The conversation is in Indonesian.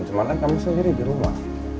cuma kan kamu sendiri di rumah